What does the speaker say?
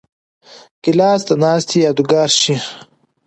ګیلاس د ناستې یادګار شي.